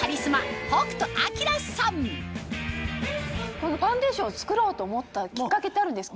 このファンデーションを作ろうと思ったきっかけってあるんですか？